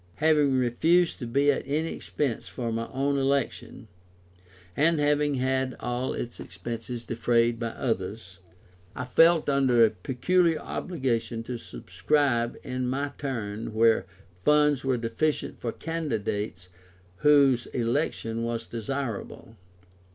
Having refused to be at any expense for my own election, and having had all its expenses defrayed by others, I felt under a peculiar obligation to subscribe in my turn where funds were deficient for candidates whose election was desirable.